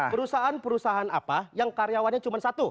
perusahaan perusahaan apa yang karyawannya cuma satu